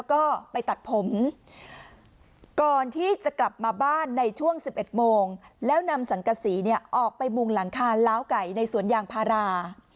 ก็ไปตัดผมก่อนที่จะกลับมาบ้านในช่วง๑๑โมงแล้วนำสังกษีออกไปมุงหลังคาล้าวไก่ในสวนยางพารา